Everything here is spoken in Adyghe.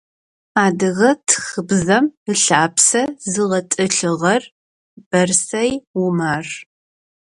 Адыгэ тхыбзэм ылъапсэ зыгъэтӏылъыгъэр Бэрсэй Умар.